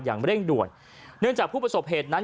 อย่างเร่งด่วนเนื่องจากผู้ประสบเหตุนั้น